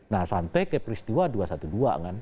nah sampai ke peristiwa dua ratus dua belas kan